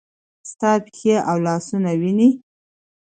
ستا پښې او لاسونه وینې ؟